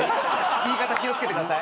言い方気を付けてください。